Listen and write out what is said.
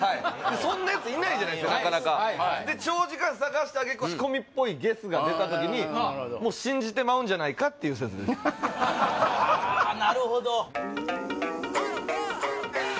そんなやついないじゃないですかなかなかで長時間探したあげく仕込みっぽいゲスが出た時にもう信じてまうんじゃないかっていう説ですああ